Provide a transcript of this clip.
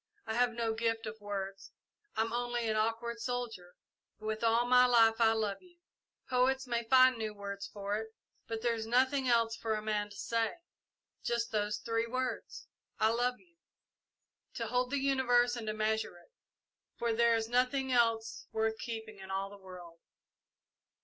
I have no gift of words I'm only an awkward soldier, but with all my life I love you. Poets may find new words for it, but there is nothing else for a man to say. Just those three words, 'I love you,' to hold the universe and to measure it, for there is nothing else worth keeping in all the world!"